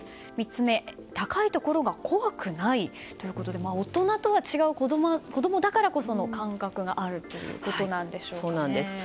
３つ目、高いところが怖くない？ということで大人とは違う、子供だからこその感覚があるということなんでしょうかね。